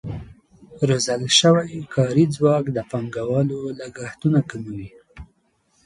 روزل شوی کاري ځواک د پانګوالو لګښتونه کموي.